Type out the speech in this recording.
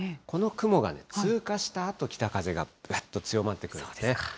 この雲が通過したあと、北風がぶわっと強まってくるんですね。